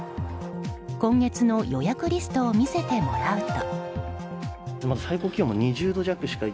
今月の予約リストを見せてもらうと。